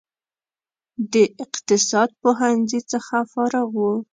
د اقتصاد پوهنځي څخه فارغ و.